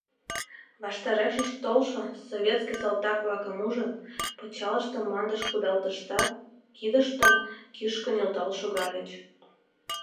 Ваштарешышт толшо советский салтак-влакым ужын, пычалыштым мландыш кудалтыштат, кидыштым кӱшкӧ нӧлтал шогальыч.